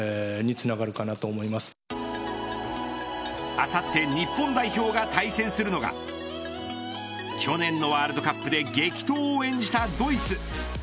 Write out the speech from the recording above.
あさって日本代表が対戦するのが去年のワールドカップで激闘を演じたドイツ。